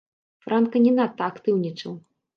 Франка не надта актыўнічаў.